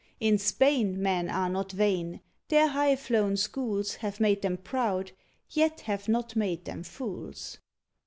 In Spain men are not vain; their high flown schools Have made them proud, yet have not made them fools.